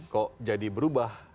kok jadi berubah